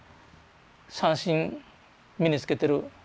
三線身につけてる。